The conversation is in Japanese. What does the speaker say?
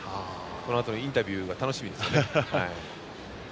このあとのインタビューが楽しみです。